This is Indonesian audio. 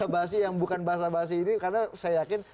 bukan bahasa bahasi ini karena saya yakin